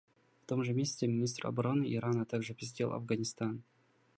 В том же месяце министр обороны Ирана также посетил Афганистан.